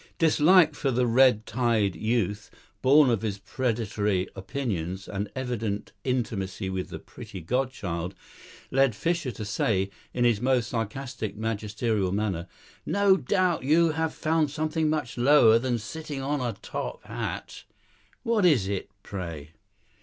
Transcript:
Dislike of the red tied youth, born of his predatory opinions and evident intimacy with the pretty godchild, led Fischer to say, in his most sarcastic, magisterial manner: "No doubt you have found something much lower than sitting on a top hat. What is it, pray?"